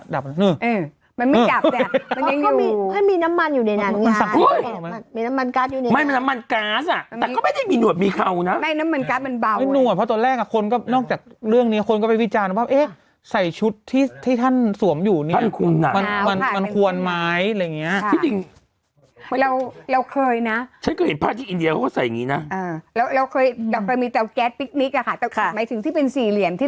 ดับแล้วนี่ดับแล้วนี่นี่นี่นี่นี่นี่นี่นี่นี่นี่นี่นี่นี่นี่นี่นี่นี่นี่นี่นี่นี่นี่นี่นี่นี่นี่นี่นี่นี่นี่นี่นี่นี่นี่นี่นี่นี่นี่นี่นี่